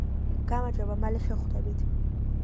გამარჯობა მალე შევხვდებით